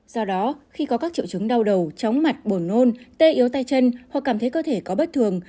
do đó khi có các triệu chứng đau đầu chóng mặt buồn nôn tê yếu tay chân hoặc cảm thấy cơ thể có bất thường